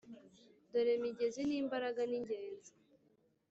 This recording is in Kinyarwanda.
dore migezi, n'imbaraga n'ingenzi